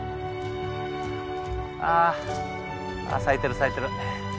あ咲いてる咲いてる。